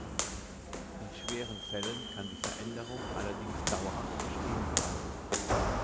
In schweren Fällen kann die Veränderung allerdings dauerhaft bestehen bleiben.